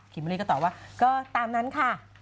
เบอร์รี่ก็ตอบว่าก็ตามนั้นค่ะ